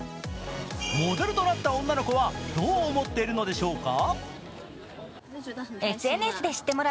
モデルとなった女の子はどう思っているのでしょうか。